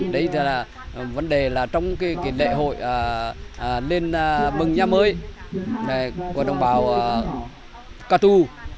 đấy là vấn đề là trong cái lễ hội lên mừng nhà mới của đồng bào cà tu